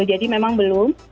jadi memang belum